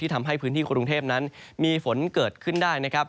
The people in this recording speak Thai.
ทำให้พื้นที่กรุงเทพนั้นมีฝนเกิดขึ้นได้นะครับ